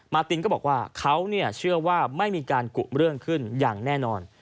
ตินก็บอกว่าเขาเชื่อว่าไม่มีการกุเรื่องขึ้นอย่างแน่นอน